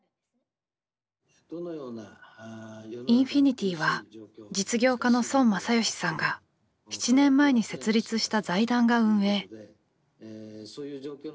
インフィニティは実業家の孫正義さんが７年前に設立した財団が運営。